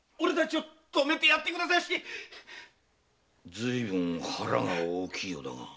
ずいぶん腹が大きいようだが？